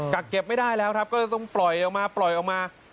กักเก็บไม่ได้แล้วก็ต้องปล่อยออกมา